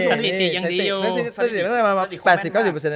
สถิติเกินมาประมาณ๘๐๙๐เลยนะ